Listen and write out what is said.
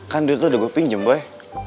kan duit lu udah gua pinjem boy